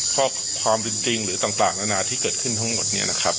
ข้อความจริงหรือต่างนานาที่เกิดขึ้นทั้งหมดเนี่ยนะครับ